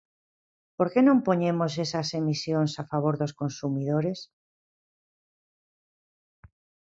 ¿Por que non poñemos esas emisións a favor dos consumidores?